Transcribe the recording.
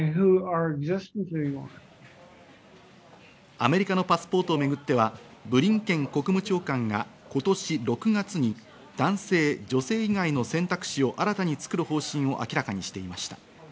アメリカのパスポートをめぐってはブリンケン国務長官が今年６月に男性、女性以外の選択肢を新たにつくる方針を明らかにしていました。